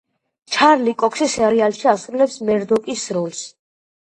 ჩარლი კოქსი სერიალში ასრულებს მერდოკის როლს.